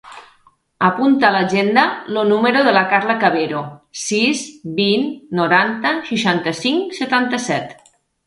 Apunta a l'agenda el número de la Carla Cabero: sis, vint, noranta, seixanta-cinc, setanta-set.